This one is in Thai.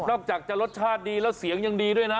อกจากจะรสชาติดีแล้วเสียงยังดีด้วยนะ